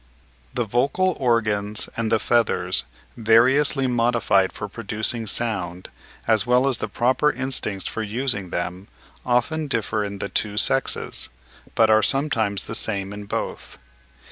The vocal organs and the feathers variously modified for producing sound, as well as the proper instincts for using them, often differ in the two sexes, but are sometimes the same in both.